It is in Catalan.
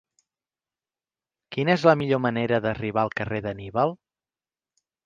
Quina és la millor manera d'arribar al carrer d'Anníbal?